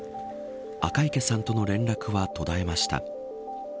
赤池さんとの連絡は途絶えました。